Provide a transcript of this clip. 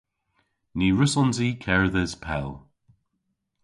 Ny wrussons i kerdhes pell.